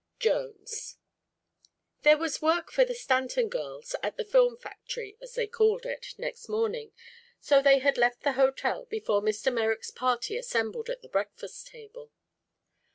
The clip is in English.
JONES There was work for the Stanton girls at the "film factory," as they called it, next morning, so they had left the hotel before Mr. Merrick's party assembled at the breakfast table.